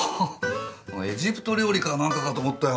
お前エジプト料理か何かかと思ったよ。